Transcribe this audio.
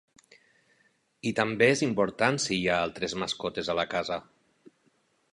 I també és important si hi ha altres mascotes a la casa.